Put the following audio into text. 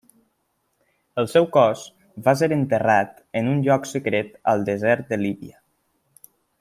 El seu cos va ser enterrat en un lloc secret al desert de Líbia.